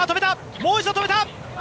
もう一度止めた！